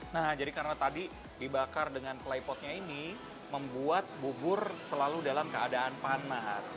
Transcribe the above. nah jadi karena tadi dibakar dengan claypotnya ini membuat bubur selalu dalam keadaan panas